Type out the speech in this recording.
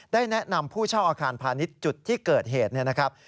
ได้แนะนำผู้เช่าอาคารพาณิชย์จุดที่เกิดเหตุเนี่ยนะครับ